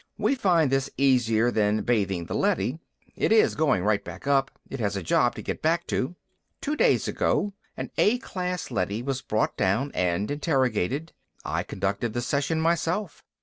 We find this easier than bathing the leady. It is going right back up; it has a job to get back to. "Two days ago, an A class leady was brought down and interrogated. I conducted the session myself.